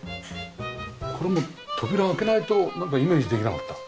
これも扉を開けないとなんかイメージできなかった。